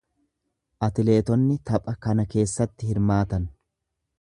Atleetoonni tapha kana keessatti hirmaatan.